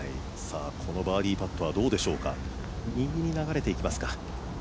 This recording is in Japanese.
このバーディーパットはどうですか右に流れていきますか。